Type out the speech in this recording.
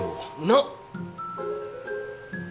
なっ！？